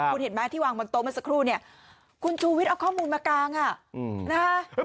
คุณเห็นไหมที่วางบนโต๊ะเมื่อสักครู่เนี่ยคุณชูวิทย์เอาข้อมูลมากางอ่ะนะคะ